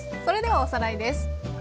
それではおさらいです。